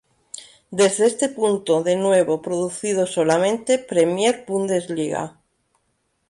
Desde este punto de nuevo producido solamente Premiere Bundesliga.